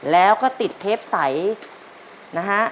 แล้วก็ติดเทปใสนะฮะ